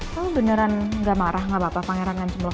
kamu beneran gak marah gak apa apa pangeran kan jumlah